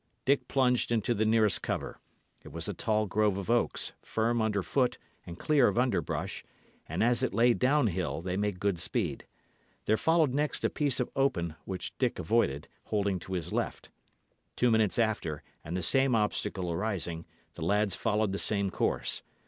Dick plunged into the nearest cover. It was a tall grove of oaks, firm under foot and clear of underbrush, and as it lay down hill, they made good speed. There followed next a piece of open, which Dick avoided, holding to his left. Two minutes after, and the same obstacle arising, the lads followed the same course.